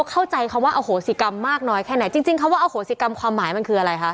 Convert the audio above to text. เข้าใจคำว่าอโหสิกรรมมากน้อยแค่ไหนจริงจริงคำว่าอโหสิกรรมความหมายมันคืออะไรคะ